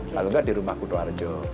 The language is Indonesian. kalau enggak di rumah kutoarjo